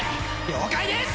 了解です！